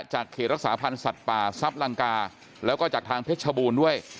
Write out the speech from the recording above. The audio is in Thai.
เขตรักษาพันธ์สัตว์ป่าซับลังกาแล้วก็จากทางเพชรชบูรณ์ด้วย